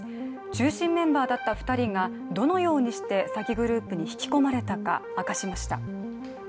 中心メンバーだった２人がどのようにして詐欺グループに引き込まれたか明かしました。